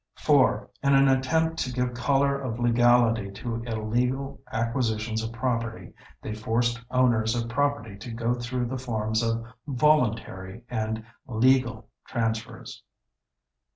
4. In an attempt to give color of legality to illegal acquisitions of property, they forced owners of property to go through the forms of "voluntary" and "legal" transfers.